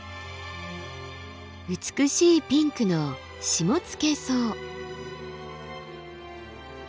美しいピンクのシモツケソウ。